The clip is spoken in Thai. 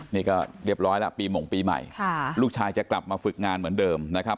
นี่ก็เรียบร้อยแล้วปีหม่งปีใหม่ลูกชายจะกลับมาฝึกงานเหมือนเดิมนะครับ